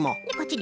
で